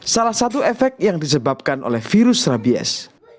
salah satu efek yang disebabkan oleh virus rabies